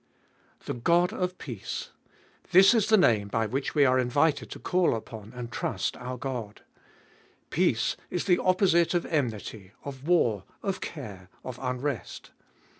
The God of peace. This is the name by which we are invited to call upon and trust our God. Peace is the opposite of enmity, of war, of care, of unrest.